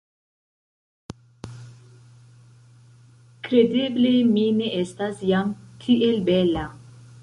Kredeble mi ne estas jam tiel bela!